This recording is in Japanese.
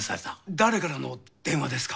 誰からの電話ですか？